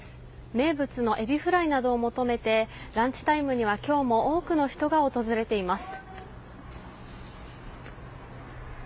名物のエビフライなどを求めてランチタイムには今日も多くの人が訪れています。